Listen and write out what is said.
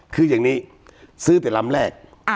คืออย่างนี้ซื้อแต่ลำแรก